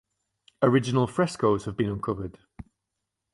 Original frescoes have been uncovered.